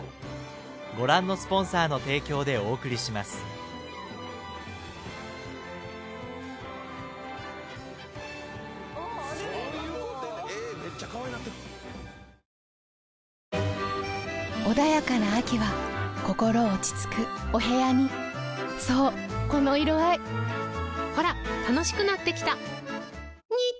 シャキッとするしいいじゃないですか穏やかな秋は心落ち着くお部屋にそうこの色合いほら楽しくなってきた！